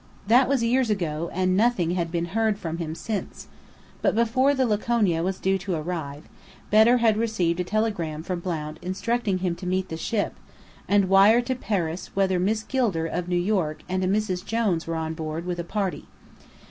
That was years ago, and nothing had been heard from him since: but before the Laconia was due to arrive, Bedr had received a telegram from Blount instructing him to meet the ship, and wire to Paris whether Miss Gilder of New York and a "Mrs. Jones" were on board, with a party.